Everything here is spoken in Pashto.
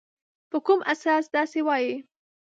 په کوم اساس داسي وایې ؟